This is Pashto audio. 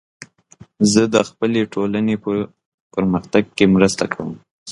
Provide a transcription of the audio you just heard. زه د خپلې ټولنې په پرمختګ کې مرسته کوم.